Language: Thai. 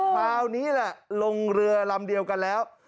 คราวนี้แหละลงเรือลำเดียวกันแล้ว